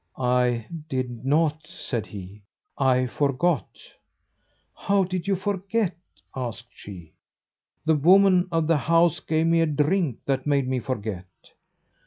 "I did not," said he; "I forgot." "How did you forget?" asked she. "The woman of the house gave me a drink that made me forget."